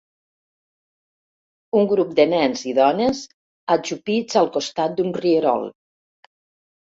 Un grup de nens i dones ajupits al costat d'un rierol.